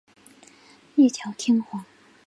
侍奉一条天皇。